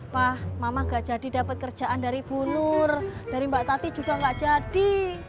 pak mama gak jadi dapet kerjaan dari bu nur dari mbak tati juga gak jadi